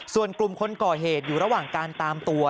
ส่วนกลุ่มคนก่อเหตุอยู่ระหว่างการตามตัว